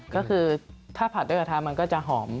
ก็คือถ้าผัดด้วยกระทะมันก็จะหอม